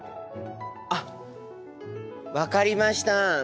あっ分かりました！